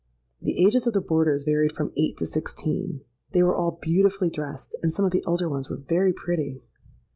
The ages of the boarders varied from eight to sixteen. They were all beautifully dressed; and some of the elder ones were very pretty.